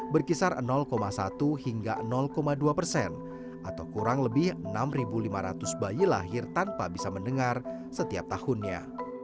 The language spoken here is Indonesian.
berkisar satu hingga dua persen atau kurang lebih enam lima ratus bayi lahir tanpa bisa mendengar setiap tahunnya